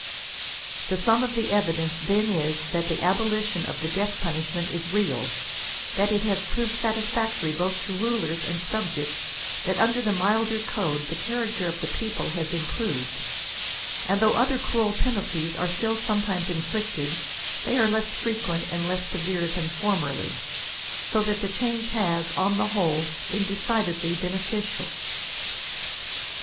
I'he sum of the evidence then is, that the abolition of the death punishment is real, that it has proved satisfactory both to rulers and subjects, that under the milder code the character of the people has improved, and though other cruel penalties are still sometimes inflicted, they are less frequent and less severe than formerly, so that the change has, on the whole, been decidedly beneficial.